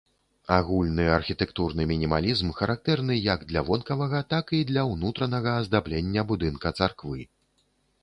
Агульны архітэктурны мінімалізм характэрны як для вонкавага, так і для ўнутранага аздаблення будынка царквы.